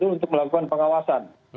untuk melakukan pengawasan